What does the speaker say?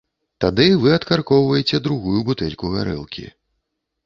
Тады вы адкаркоўваеце другую бутэльку гарэлкі.